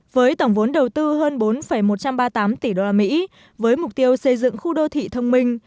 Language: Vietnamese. với tổng vốn đầu tư hơn bốn một trăm ba mươi tám tỷ usd với mục tiêu xây dựng khu đô thị thông minh